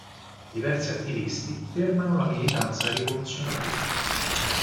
Diversi attivisti fermano la militanza rivoluzionaria.